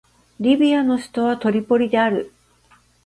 リビアの首都はトリポリである